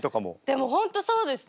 でも本当そうです。